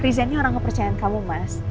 riza ini orang kepercayaan kamu mas